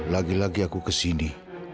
lagi lagi aku ke sini